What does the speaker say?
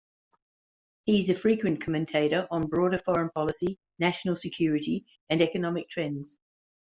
He is a frequent commentator on broader foreign policy, national security, and economic trends.